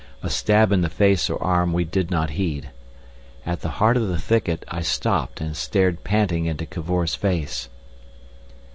A stab in the face or arm we did not heed. At the heart of the thicket I stopped, and stared panting into Cavor's face.